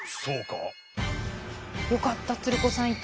よかった鶴子さんいて。